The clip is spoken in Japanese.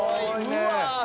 うわ。